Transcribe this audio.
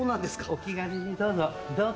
お気軽にどうぞどうぞ。